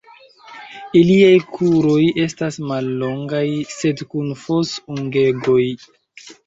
Iliaj kruroj estas mallongaj, sed kun fos-ungegoj.